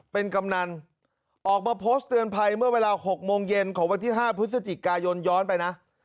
เป็นกำนันออกมาโพสต์เตือนภัยเมื่อเวลา๖โมงเย็นของวันที่๕พฤศจิกายนย้อนไปนะ